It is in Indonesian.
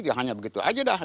jangan hanya begitu aja dah